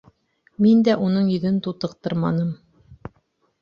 Мин дә уның йөҙөн тутыҡтырманым.